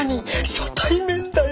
初対面だよ？